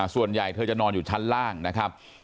ส่วนใหญ่เธอจะนอนอยู่ชั้นล่างนะครับ